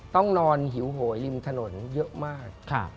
ต้องนอนหิวโหยริมถนนเยอะมาก